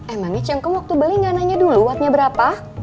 emangnya cengkem waktu beli gak nanya dulu wadnya berapa